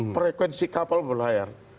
frekuensi kapal berubah